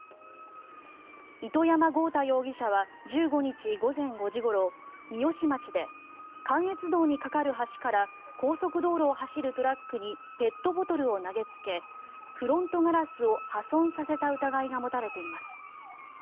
糸山豪太容疑者は１５日午前５時ごろ三芳町で関越道に架かる橋から高速道路を走るトラックにペットボトルを投げつけフロントガラスを破損させた疑いが持たれています。